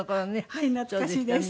はい懐かしいです。